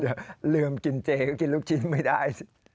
ลืมกินเจก็กินลูกชิ้นไม่ได้